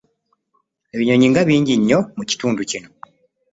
Ebinyonyi nga bingi nnyo mu kitundu kino.